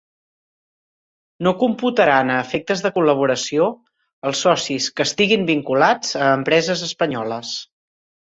No computaran a efectes de col·laboració els socis que estiguin vinculats a empreses espanyoles.